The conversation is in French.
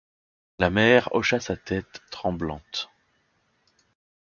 La mère hocha sa tête tremblante.